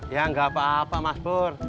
ya ga apa apa mas pur